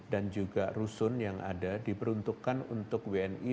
dan juga rusun yang ada diperuntukkan untuk wni